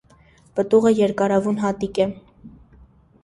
Պտուղը երկարավուն հատիկ է։